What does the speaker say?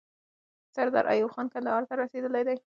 سردار ایوب خان کندهار ته رسیدلی دی.